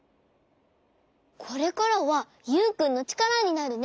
これからはユウくんのちからになるね！